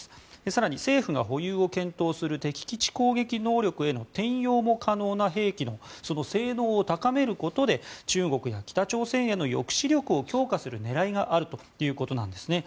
更に政府が保有を検討する敵基地攻撃能力への転用も可能な兵器の性能を高めることで中国や北朝鮮への抑止力を強化する狙いがあるということなんですね。